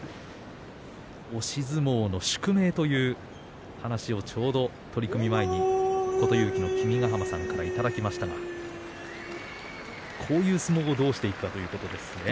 押し相撲の宿命という話をちょうど取組前に琴勇輝の君ヶ濱さんにいただきましたがこういう相撲をどうしていくかということですね。